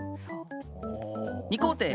２工程！